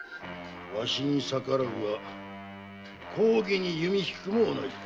わしに逆らうは公儀に弓引くも同じ。